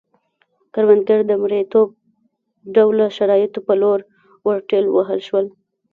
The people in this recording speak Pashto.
کروندګر د مریتوب ډوله شرایطو په لور ورټېل وهل شول